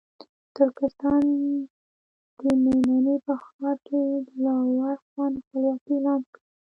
د ترکستان د مېمنې په ښار کې دلاور خان خپلواکي اعلان کړه.